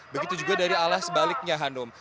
begitu juga dari alas baliknya hanum